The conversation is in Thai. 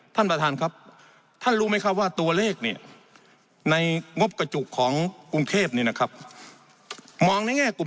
ท่านประธานครับท่านรู้ไหมครับว่าตัวเลขเนี่ยในงบกระจุกของกรุงเทพเนี่ยนะครับมองในแง่กลุ่ม